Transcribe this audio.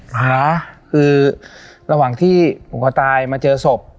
หาคือระหว่างที่ผูกคอตายมาเจอศพ